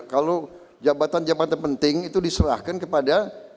kalau jabatan jabatan penting itu diserahkan kepada